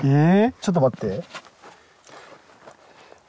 ちょっと待って。